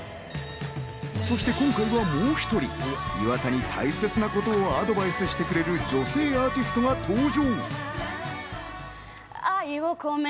そして今回はもう１人、岩田に大切なことをアドバイスしてくれる女性アーティストが登場。